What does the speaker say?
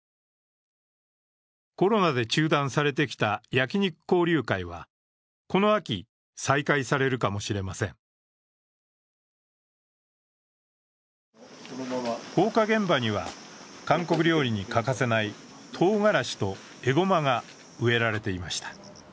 コロナで中断されてきた焼肉交流会は、この秋、再開されるかもしれません放火現場には、韓国料理に欠かせないとうがらしとえごまが植えられていました。